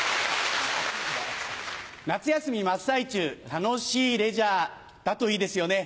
夏休み真っ最中楽しいレジャーだといいですよね。